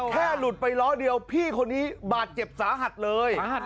แค่หลุดไปรถเดียวพี่เพื่อนมันบาดเจ็บสาหัสเลย